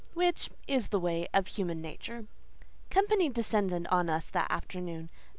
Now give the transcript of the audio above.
Which is the way of human nature. Company descended on us that afternoon.